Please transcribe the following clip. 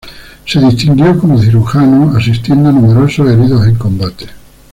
Se distinguió como cirujano asistiendo a numerosos heridos en combate.